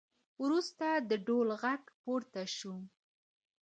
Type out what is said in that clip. وروسته د ډول غږ پورته شو